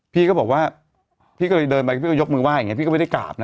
พี่ก็บอกว่าพี่ก็เลยเดินไปพี่ก็ยกมือไห้อย่างนี้พี่ก็ไม่ได้กราบนะ